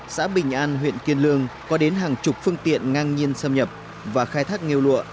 xã bình an huyện kiên lương có đến hàng chục phương tiện ngang nhiên xâm nhập và khai thác nghêu lụa